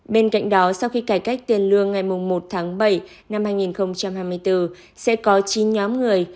bên cạnh đó sau khi cải cách tiền lương ngày một tháng bảy năm hai nghìn hai mươi bốn sẽ có chín nhóm người